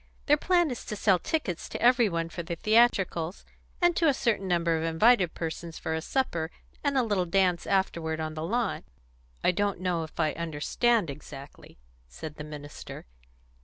Their plan is to sell tickets to every one for the theatricals, and to a certain number of invited persons for a supper, and a little dance afterward on the lawn." "I don't know if I understand exactly," said the minister.